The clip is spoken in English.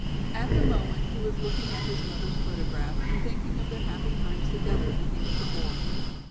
At the moment he was looking at his mother's photograph and thinking of their happy times together when he was a boy.